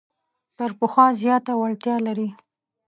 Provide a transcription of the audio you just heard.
تر پخوا زیاته وړتیا لري.